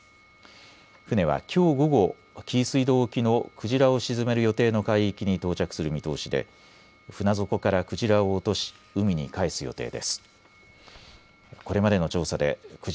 船はきょう午後、紀伊水道沖のクジラを沈める予定の海域に到着する見通しで船底からクジラを落とし海にかえす予定です。